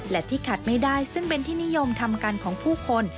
และที่ขัดไม่ได้ซึ่งเป็นที่นิยมทำกันของผู้คน